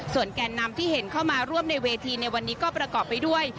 แก่นนำที่เห็นเข้ามาร่วมในเวทีในวันนี้ก็ประกอบไปด้วย